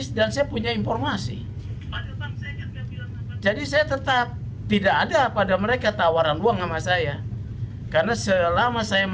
mbak kelima sudah kembali kerja di tempat tempat